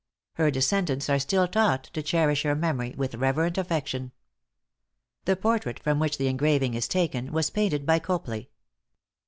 Her descendants are still taught to cherish her memory with reverent affection. The portrait from which the engraving is taken, was painted by Copley.